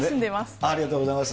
ありがとうございます。